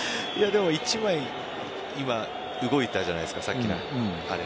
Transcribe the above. でも１枚今、動いたじゃないですか。